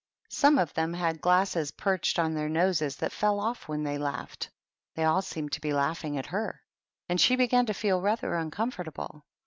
Some of them had glasses perched on their noses that fell off when they laughed. They all seemed to be laughing at her, and she began to feel rather uncomfortable.